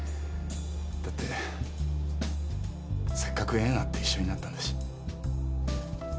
だってせっかく縁あって一緒になったんだし。